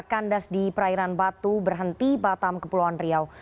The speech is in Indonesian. kandas di perairan batu berhenti batam kepulauan riau